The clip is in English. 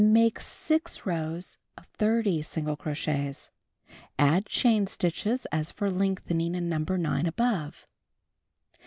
Make 6 rows of 30 single crochets. (Add chain stitches as for lengthening in No. 9 above.)